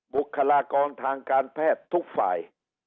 บุคลากรทางการแพทย์ทุกฝ่าย